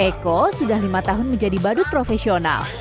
eko sudah lima tahun menjadi badut profesional